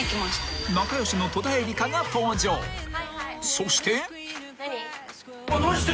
［そして］何？